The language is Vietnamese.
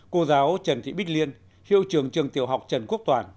cô giáo trần thị bích liên hiệu trường trường tiểu học trần quốc toàn